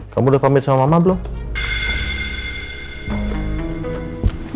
kamu udah pamit sama mama belum